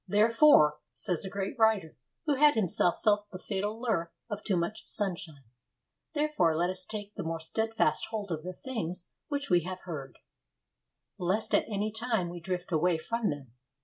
'Therefore,' says a great writer, who had himself felt the fatal lure of too much sunshine, 'therefore let us take the more steadfast hold of the things which we have heard, lest at any time we drift away from them.'